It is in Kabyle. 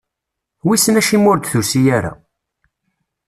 Wissen acimi ur d-tusi ara?